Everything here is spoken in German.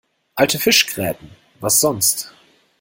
Alte Fischgräten, was sonst?